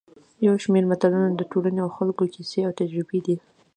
یو شمېر متلونه د ټولنې او خلکو کیسې او تجربې دي